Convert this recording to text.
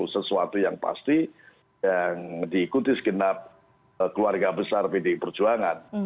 sesuatu yang pasti yang diikuti segenap keluarga besar pdi perjuangan